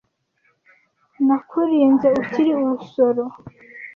Nakurinze ukiri urusoro